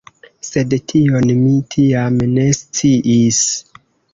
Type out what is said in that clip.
Sed tion mi tiam ne sciis.